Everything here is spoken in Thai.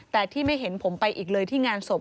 แต่ที่ไม่เห็นผมไปอีกเลยที่งานศพ